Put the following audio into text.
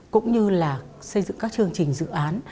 cũng như là xây dựng các chương trình dự án